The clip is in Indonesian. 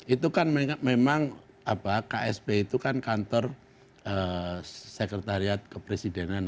itu kan memang ksp itu kan kantor sekretariat kepresidenan